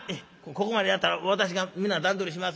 ここまでやったら私がみんな段取りします。